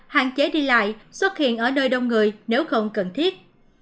hạn chế đi lại xuất hiện ở nơi đông người nếu không cần thiết